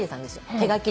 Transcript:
手書きで。